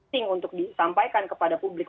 thing untuk disampaikan kepada publik